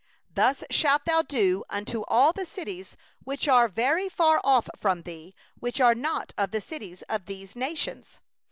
15Thus shalt thou do unto all the cities which are very far off from thee, which are not of the cities of these nations.